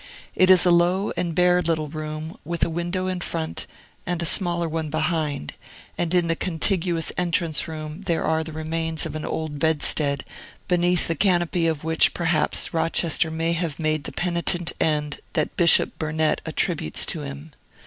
It is a low and bare little room, with a window in front, and a smaller one behind; and in the contiguous entrance room there are the remains of an old bedstead, beneath the canopy of which, perhaps, Rochester may have made the penitent end that Bishop Burnet attributes to him.